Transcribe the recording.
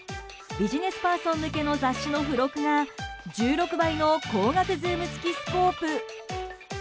ビジネスパーソン向けの雑誌の付録が１６倍の光学ズーム付きスコープ。